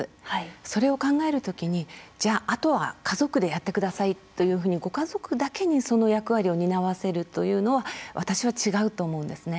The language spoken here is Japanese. それを考えるときにじゃあ、あとは家族でやってくださいというふうにご家族だけにその役割を担わせるというのは私は違うと思うんですね。